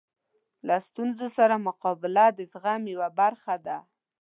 له ستونزو سره مقابله د زغم یوه برخه ده.